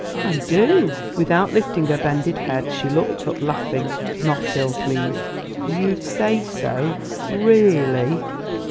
"I do..." Without lifting her bended head, she looked up, laughing, not ill pleased. "You'd say so... really?"